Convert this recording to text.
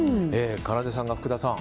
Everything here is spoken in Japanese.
かなでさんが、福田さん